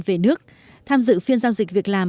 về nước tham dự phiên giao dịch việc làm